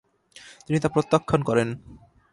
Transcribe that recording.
তিনি তা প্রত্যাখান করেন।